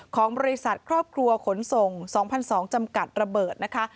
ของบริษัทครอบครัวขนส่ง๒๒๐๐จำกัดระเบิดนะคะ